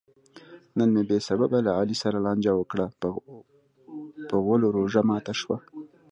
نن مې بې سببه له علي سره لانجه وکړه؛ په غولو روژه ماته شوه.